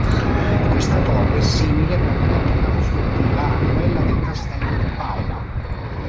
Questa torre è simile per tecnica costruttiva a quella del castello di Paola.